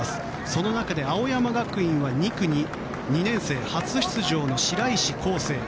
その中で青山学院は２区に２年生、初出場の白石光星。